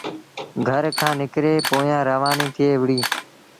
گھر کآݩ نڪري پويآن روآنيٚ ٿئي وُهڙيٚ۔